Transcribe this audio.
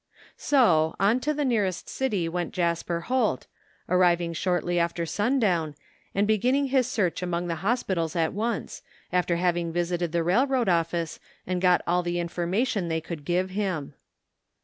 So, on to the nearest city went Jasper Holt, arriving shortly after sundown, and began his search among the hospitals at once, after having visited the railroad office and got all the information they could give him.